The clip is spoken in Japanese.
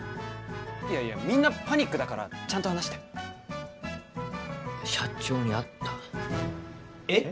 いやいやみんなパニックだからちゃんと話して社長に会ったえっ？